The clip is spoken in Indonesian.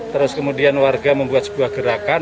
terus kemudian warga membuat sebuah gerakan